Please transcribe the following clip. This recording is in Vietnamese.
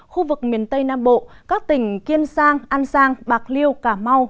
khu vực miền tây nam bộ các tỉnh kiên giang an giang bạc liêu cà mau